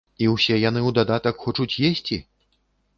І ўсе яны ў дадатак хочуць есці?